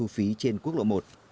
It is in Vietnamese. phí trên quốc lộ một